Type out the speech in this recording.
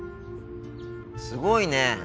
すごいね！